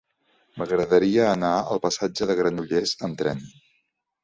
M'agradaria anar al passatge de Granollers amb tren.